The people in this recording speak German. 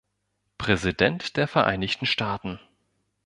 Präsident der Vereinigten Staaten.